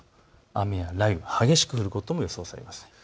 雨や雷雨、激しく降ることも予想されます。